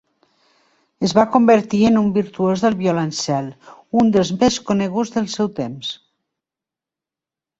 Es va convertir en un virtuós del violoncel, un dels més coneguts del seu temps.